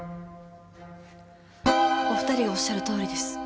お２人がおっしゃるとおりです。